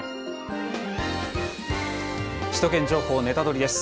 「首都圏情報ネタドリ！」です。